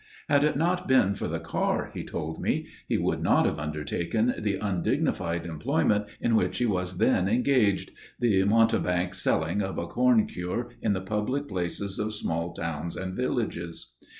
Had it not been for the car, he told me, he would not have undertaken the undignified employment in which he was then engaged the mountebank selling of a corn cure in the public places of small towns and villages.